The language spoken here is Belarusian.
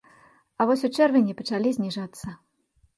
А вось ў чэрвені пачалі зніжацца.